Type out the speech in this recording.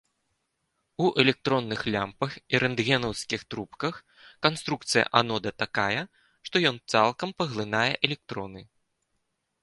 У электронных лямпах і рэнтгенаўскіх трубках канструкцыя анода такая, што ён цалкам паглынае электроны.